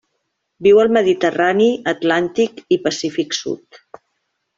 Viu al Mediterrani, Atlàntic i Pacífic sud.